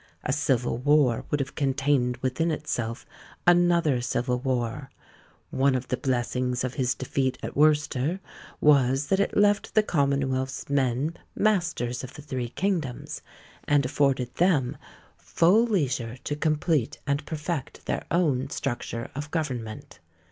A civil war would have contained within itself another civil war. One of the blessings of his defeat at Worcester was, that it left the commonwealth's men masters of the three kingdoms, and afforded them "full leisure to complete and perfect their own structure of government.